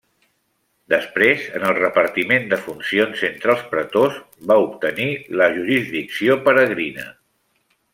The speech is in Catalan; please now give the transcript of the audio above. Després en el repartiment de funcions entre els pretors va obtenir la jurisdicció peregrina.